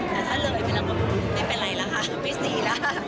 แต่ถ้าเริ่มอยู่เป็นเรื่องกันไม่เป็นไรแล้วค่ะไม่สีแล้ว